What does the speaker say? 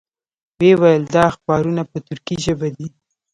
وې ویل دا اخبارونه په تُرکي ژبه دي.